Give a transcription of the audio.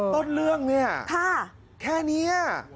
ต้นเรื่องเนี่ยแค่นี้